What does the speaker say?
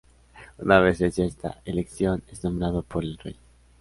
Una vez hecha esta elección, es nombrado por el Rey.